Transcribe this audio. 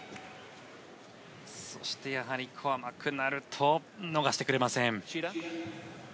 そして、ここは甘くなると逃してくれません。